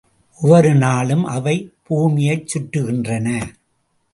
ஒவ்வொரு நாளும் அவை பூமியைச் சுற்றுகின்றன.